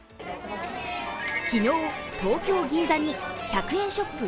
昨日、東京・銀座に１００円ショップ